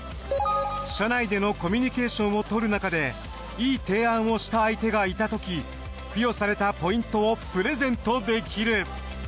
社内でのコミュニケーションをとるなかでいい提案をした相手がいたとき付与されたポイントをプレゼントできる。